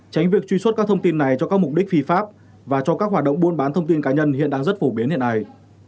tránh việc truy xuất các thông tin này cho các mục đích phi pháp và cho các hoạt động buôn bán thông tin cá nhân hiện đang rất phổ biến hiện nay